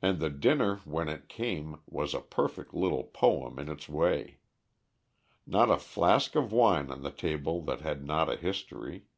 And the dinner when it came was a perfect little poem in its way. Not a flask of wine on the table that had not a history.